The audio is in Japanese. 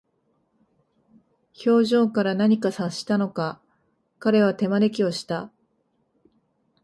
表情から何か察したのか、彼は手招きをした。